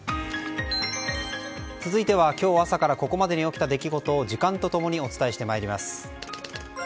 続いては、今日朝からここまでに起きた出来事を時間と共にお伝えしてまいります。